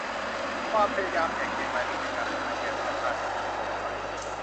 ความพยายามแจงแจกรายละเอียดการทำงานแก่ประชาชนอย่างโปร่งใส